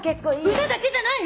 歌だけじゃない！